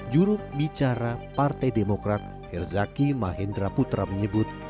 juru bicara partai demokrat herzaki mahendra putra menyebut